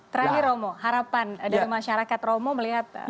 terakhir romo harapan dari masyarakat romo melihat seperti apa